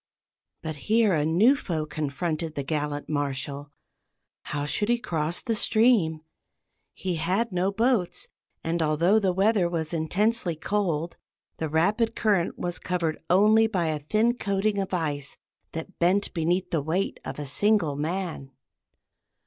But here a new foe confronted the gallant Marshal. How should he cross the stream? He had no boats, and although the weather was intensely cold, the rapid current was covered only by a thin coating of ice that bent beneath the weight of a single man.